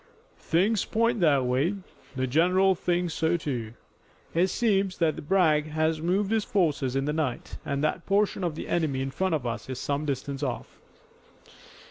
"Things point that way. The general thinks so, too. It seems that Bragg has moved his forces in the night, and that the portion of the enemy in front of us is some distance off."